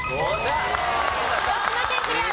広島県クリア。